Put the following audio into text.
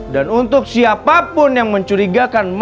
dan untuk siapapun yang mencurigakan masuk ke desa kita